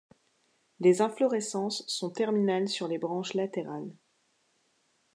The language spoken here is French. Les inflorescences sont terminales sur les branches latérales.